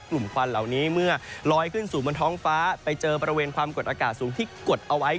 ควันเหล่านี้เมื่อลอยขึ้นสู่บนท้องฟ้าไปเจอบริเวณความกดอากาศสูงที่กดเอาไว้